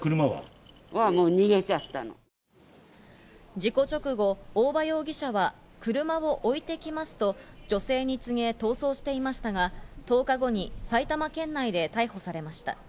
事故直後、大場容疑者は車を置いていきますと女性に告げ、逃走していましたが、１０日後に埼玉県内で逮捕されました。